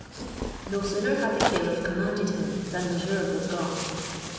No sooner had the caliph commanded than Mesrour was gone.